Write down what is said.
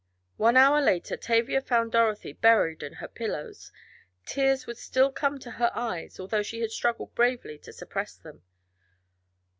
One hour later Tavia found Dorothy buried in her pillows. Tears would still come to her eyes, although she had struggled bravely to suppress them.